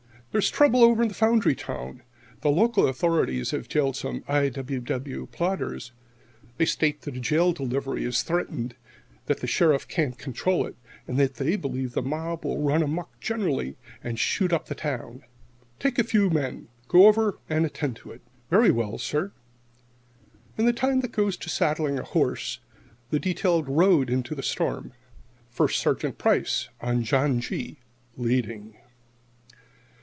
"There's trouble over in the foundry town. The local authorities have jailed some I. W. W.[69 2] plotters. They state that a jail delivery is threatened, that the Sheriff can't control it, and that they believe the mob will run amuck generally and shoot up the town. Take a few men; go over and attend to it." "Very well, sir." In the time that goes to saddling a horse, the detail rode into the storm, First Sergeant Price on John G., leading.